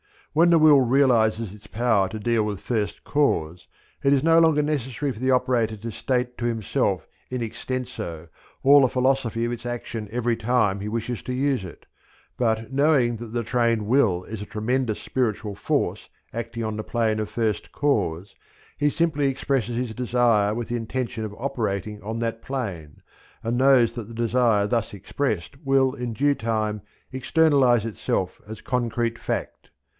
When the will realizes its power to deal with first cause it is no longer necessary for the operator to state to himself in extenso all the philosophy of its action every time he wishes to use it, but, knowing that the trained will is a tremendous spiritual force acting on the plane of first cause, he simply expresses his desire with the intention of operating on that plane, and knows that the desire thus expressed will in due time externalize itself as concrete fact.